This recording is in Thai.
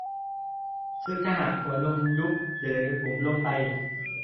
ซึ่งถ้าหากหัวนมยุบหรือบุ๋มลงไป